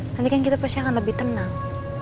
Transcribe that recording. nanti kan kita pasti akan lebih tenang